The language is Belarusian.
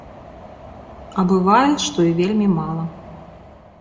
А бывае, што і вельмі мала.